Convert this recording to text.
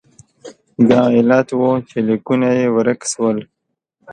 دا علت و چې لیکونه یې ورک شول.